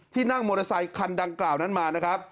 นั่งมอเตอร์ไซคันดังกล่าวนั้นมานะครับ